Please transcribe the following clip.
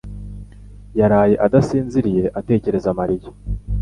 yaraye adasinziriye atekereza Mariya